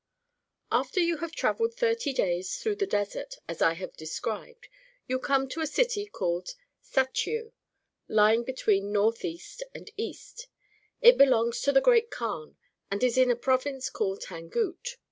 After you have travelled thirty days through the Desert, as I have described, you come to a city called Sachiu, lying between north east and east ; it belongs to the Great Kaan, and is in a province called Tangut.